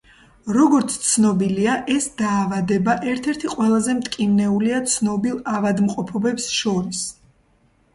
როგორც ცნობილია, ეს დაავადება ერთ-ერთ ყველაზე მტკივნეულია ცნობილ ავადმყოფობებს შორის.